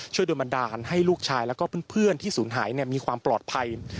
ช่วยโดยบันดาลให้ลูกชายแล้วก็เพื่อนที่สูญหายเนี่ยมีความปลอดภัย